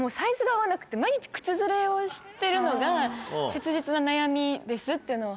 をしてるのが切実な悩みですっていうのを。